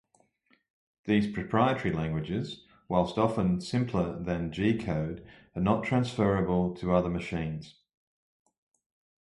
These proprietary languages, while often simpler than G-code, are not transferable to other machines.